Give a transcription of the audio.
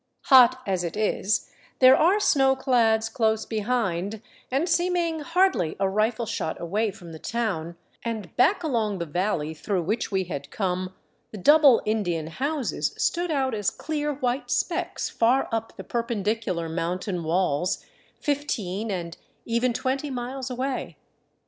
Plot as it is, there are snowclads close behind and seeming hardly a rifle shot away from the town, and back along the valley through which we had come the double Indian houses stood out as clear white specks far up the perpendicular mountain walls, fifteen and even twenty miles away.